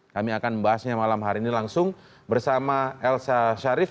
kami akan membahasnya malam hari ini langsung bersama elsa sharif